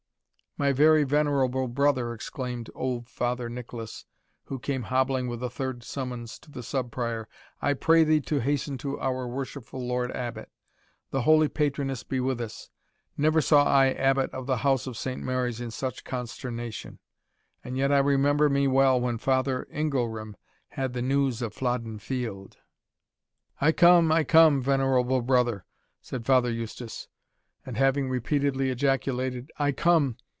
"My very venerable brother," exclaimed old Father Nicholas, who came hobbling with a third summons to the Sub Prior, "I pray thee to hasten to our worshipful Lord Abbot. The holy patroness be with us! never saw I Abbot of the House of St. Mary's in such consternation; and yet I remember me well when Father Ingelram had the news of Flodden field." "I come, I come, venerable brother," said Father Eustace And having repeatedly ejaculated "I come!"